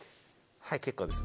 はい結構です